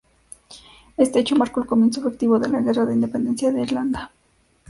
Este hecho marcó el comienzo efectivo de la Guerra de Independencia de Irlanda.